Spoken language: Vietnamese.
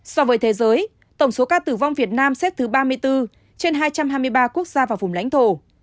so với thế giới tổng số ca tử vong việt nam xếp thứ ba mươi bốn trên hai trăm hai mươi ba quốc gia và vùng lãnh thổ